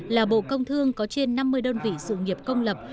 là bộ công thương có trên năm mươi đơn vị sự nghiệp công lập